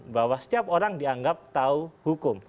bahwa setiap orang dianggap tahu hukum